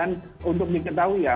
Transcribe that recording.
dan untuk diketahui ya